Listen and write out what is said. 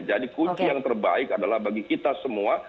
jadi kunci yang terbaik adalah bagi kita semua